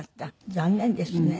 残念ですね。